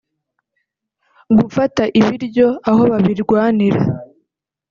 gufata ibiryo aho babirwanira